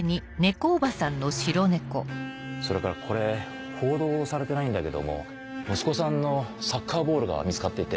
それからこれ報道されてないんだけども息子さんのサッカーボールが見つかっていて。